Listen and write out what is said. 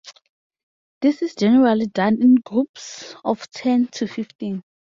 This is generally done in groups of ten to fifteen.